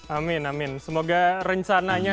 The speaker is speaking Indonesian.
amin amin semoga rencananya